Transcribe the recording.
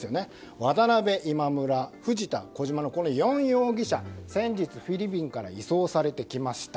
渡辺、今村、藤田、小島この４容疑者先日フィリピンから移送されてきました。